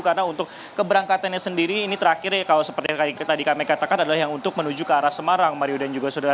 karena untuk keberangkatannya sendiri ini terakhirnya kalau seperti tadi kami katakan adalah yang untuk menuju ke arah semarang mario dan juga saudara